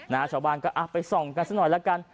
นะครับชาวบ้านก็ไปส่องกันสักหน่อยแล้วกัน